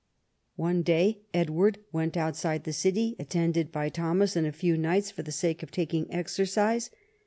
One day Edward went outside the city, attended by Thomas and a few knights, for the sake of taking exer cise.